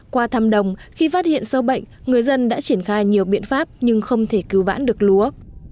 qua thăm đồng khi phát hiện sâu bệnh người dân đã triển khai nhiều biện pháp nhưng không thể cứu vãn được lúa